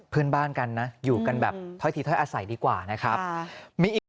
เพื่อนบ้านกันนะอยู่กันแบบถ้อยทีถ้อยอาศัยดีกว่านะครับมีอีกหนึ่ง